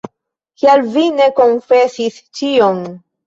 Kial vi ne konfesis ĉion?